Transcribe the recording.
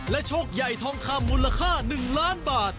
โชคใหญ่ทองคำมูลค่า๑ล้านบาท